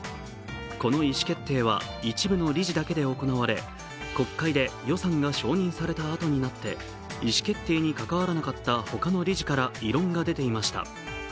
この意思決定は一部の理事だけで行われ、国会で予算が承認されたあとになって意思決定に関わらなかった他の理事から異論が出ていました。